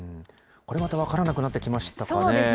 これまた分からなくなってきましたかね。